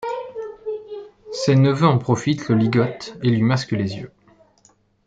Ses neveux en profitent, le ligotent et lui masquent les yeux.